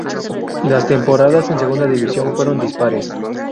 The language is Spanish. Las temporadas en segunda división fueron dispares.